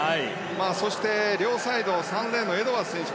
そして、両サイド３レーンのエドワーズ選手。